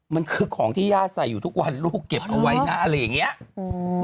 มันคือของที่ย่าใส่อยู่ทุกวันลูกเก็บเอาไว้นะอะไรอย่างเงี้ยอืม